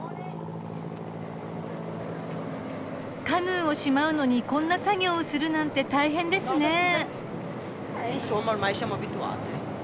カヌーをしまうのにこんな作業をするなんて大変ですね。